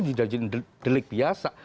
jadi jadi delik biasa